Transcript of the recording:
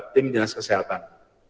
tim dinas kesehatan